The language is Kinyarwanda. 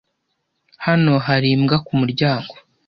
Hano hari imbwa kumuryango.